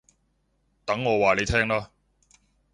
等我話你聽啦